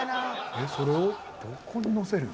えっそれをどこにのせるん？